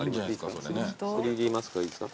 ３Ｄマスクはいいですか？